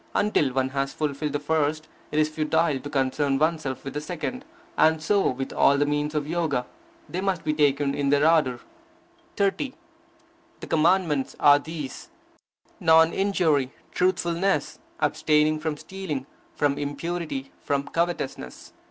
Until one has fulfilled the first, it is futile to concern oneself with the second. And so with all the means of Yoga. They must be taken in their order. 30. The Commandments are these: nom injury, truthfulness, abstaining from stealing, from impurity, from covetousness.